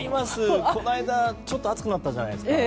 この間、ちょっと暑くなったじゃないですか。